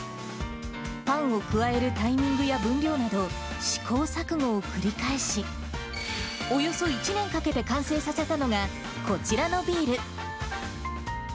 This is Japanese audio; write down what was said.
パンを加えるタイミングや分量など、試行錯誤を繰り返し、およそ１年かけて完成させたのが、こちらのビール。